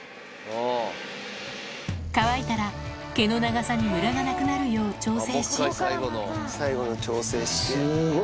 乾いたら毛の長さにムラがなくなるよう調整し最後の調整して。